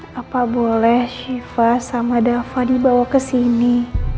mama apa boleh siva sama dava dibawa ke sini